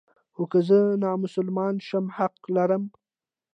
خو که زه نامسلمان شم حق لرم.